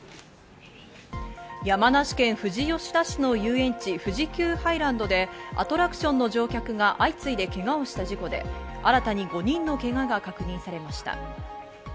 山梨県富士吉田市の遊園地・富士急ハイランドでアトラクションの乗客が相次いでけがをした事故で新たに５人のけがが確認されました。